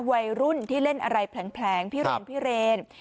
วัยรุ่นที่เล่นอะไรแผลงพิเรนพิเรน